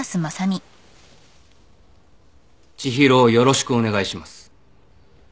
知博をよろしくお願いします。